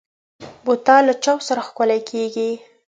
بوتل له چاپ سره ښکلي کېږي.